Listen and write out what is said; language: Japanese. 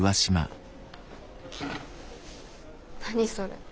何それ。